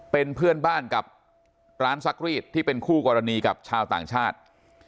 เป็นเพื่อนบ้านกับร้านซักรีดที่เป็นคู่กรณีกับชาวต่างชาติ